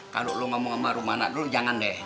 kalo lu ngomong sama rumah anak dulu jangan deh